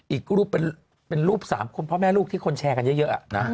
อีกรูปเป็นรูป๓คนพ่อแม่ลูกที่คนแชร์กันเยอะนะ